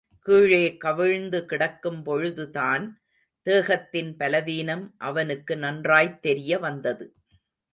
கீழே கவிழ்ந்து கிடக்கும் பொழுதுதான் தேகத்தின் பலவீனம் அவனுக்கு நன்றாய்த் தெரியவந்தது.